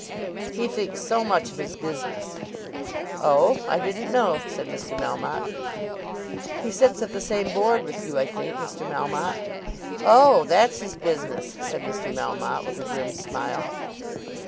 "He thinks so much of his business." "Oh! I didn't know," said Mr. Melmotte. "He sits at the same Board with you, I think, Mr. Melmotte." "Oh; that's his business!" said Mr. Melmotte, with a grim smile.